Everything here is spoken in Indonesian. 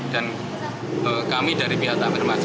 dan kami dari pihak takmir masjid kita menjaga